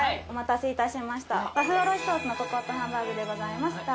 お待たせいたしましたでございます